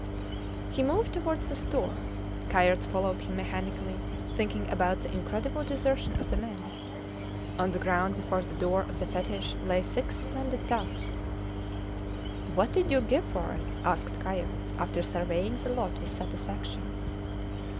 He moved towards the store. Kayerts followed him mechanically, thinking about the incredible desertion of the men. On the ground before the door of the fetish lay six splendid tusks. What did you give for it? asked Kayerts, after surveying the lot with satisfaction.